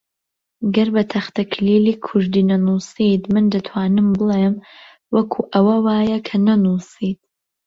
گەر بە تەختەکلیلی کوردی نەنووسیت، من دەتوانم بڵێم وەکو ئەوە وایە کە نەنووسیت